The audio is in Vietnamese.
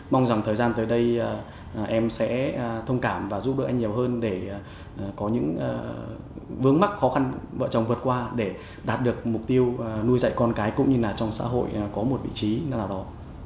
mong rằng thời gian tới đây em sẽ thông cảm và giúp đỡ anh nhiều hơn để có những vướng mắc khó khăn vợ chồng vượt qua để đạt được mục tiêu nuôi dạy con cái cũng như là trong xã hội có một vị trí nào đó